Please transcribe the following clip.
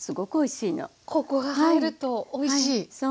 ここが入るとおいしいですか？